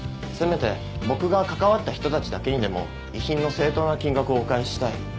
せめて僕が関わった人たちだけにでも遺品の正当な金額をお返ししたい。